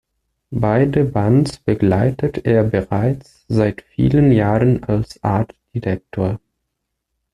Beide Bands begleitet er bereits seit vielen Jahren als Art Director.